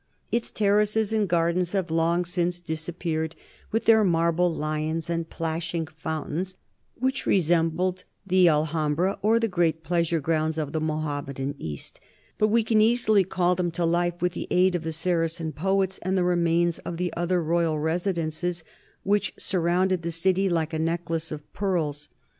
Its terraces and gardens have long since disappeared, with their marble lions and plashing fountains which resembled the Al hambra or the great pleasure grounds of the Moham medan East; but we can easily call them to life with the aid of the Saracen poets and of the remains of the other royal residences which surrounded the city "like a necklace of pearls."